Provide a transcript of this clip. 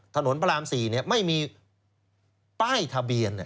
ถนนพระราม๔ไม่มีป้ายทะเบียน